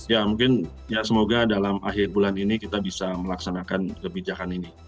ya mungkin ya semoga dalam akhir bulan ini kita bisa melaksanakan kebijakan ini